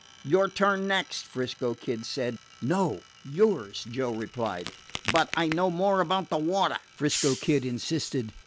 "Your turn next," 'Frisco Kid said. "No; yours," Joe replied. "But I know more about the water," 'Frisco Kid insisted.